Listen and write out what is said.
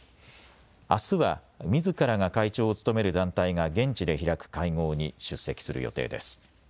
あすはみずからが会長を務める団体が現地で開く会合に出席する予定です。